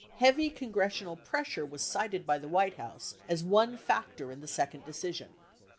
Heavy Congressional pressure was cited by the White House as one factor in the second decision.